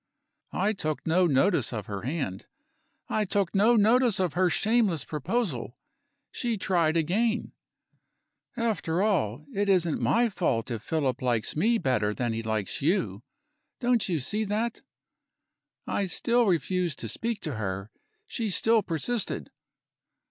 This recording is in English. I took no notice of her hand; I took no notice of her shameless proposal. She tried again: "After all, it isn't my fault if Philip likes me better than he likes you. Don't you see that?" I still refused to speak to her. She still persisted.